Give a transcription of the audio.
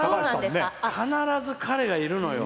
必ず彼がいるのよ